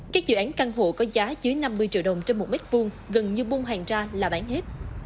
các dự án căn hộ có giá dưới năm mươi triệu đồng trên một mét vuông gần như buôn hàng ra là bán hết